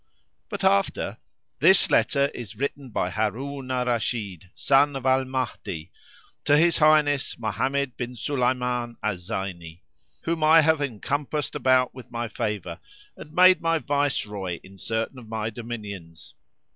But after.[FN#62] This letter is written by Harun al Rashid, son of Al Mahdi, to his highness Mohammed bin Sulayman al Zayni, whom I have encompassed about with my favour and made my viceroy in certain of my dominions.